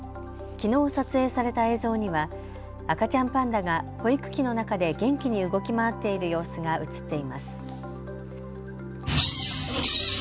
きのう撮影された映像には赤ちゃんパンダが保育器の中で元気に動き回っている様子が写っています。